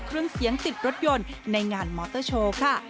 เครื่องเสียงติดรถยนต์ในงานมอเตอร์โชว์ค่ะ